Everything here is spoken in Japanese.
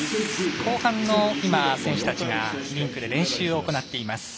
後半の選手たちが今リンクで練習を行っています。